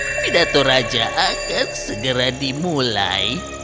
pidato raja akan segera dimulai